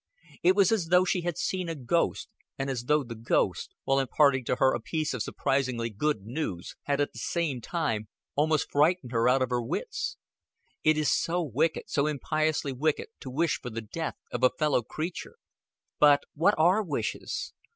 It was as though she had seen a ghost, and as though the ghost, while imparting to her a piece of surprisingly good news, had at the same time almost frightened her out of her wits. It is so wicked, so impiously wicked to wish for the death of a fellow creature. But what are wishes?